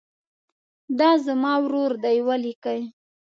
دا زما ورور دی ولیکئ.